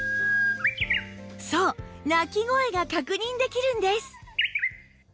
そう鳴き声が確認できるんです